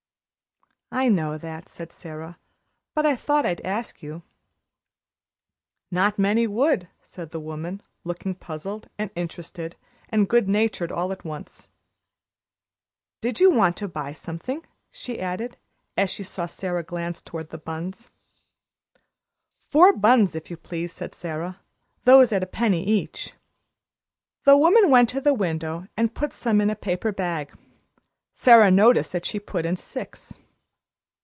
"I know that," said Sara, "but I thought I'd ask you." "Not many would," said the woman, looking puzzled and interested and good natured all at once. "Do you want to buy something?" she added, as she saw Sara glance toward the buns. "Four buns, if you please," said Sara; "those at a penny each." The woman went to the window and put some in a paper bag. Sara noticed that she put in six.